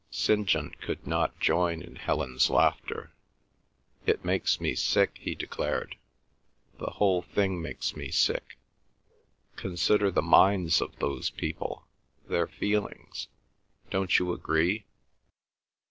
St. John could not join in Helen's laughter. "It makes me sick," he declared. "The whole thing makes me sick. ... Consider the minds of those people—their feelings. Don't you agree?"